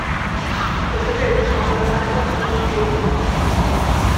Det såg ut som om de hade fått nytt liv.